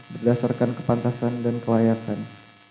berdasarkan kepantasan dan kelayakan